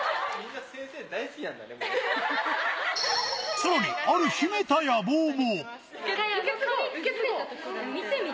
さらに、ある秘めた野望も。